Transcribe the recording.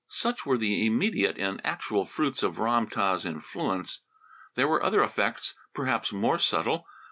Such were the immediate and actual fruits of Ram tah's influence. There were other effects, perhaps more subtle.